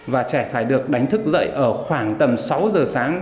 và trẻ phải được đánh thức dậy ở khoảng tầm sáu giờ sáng